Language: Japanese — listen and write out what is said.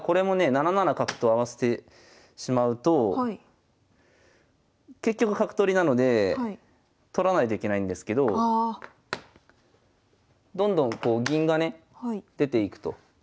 ７七角と合わせてしまうと結局角取りなので取らないといけないんですけどどんどんこう銀がね出ていくと。